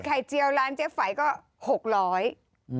ไข่เจียวร้านเจฝัยก็๖๐๐บาท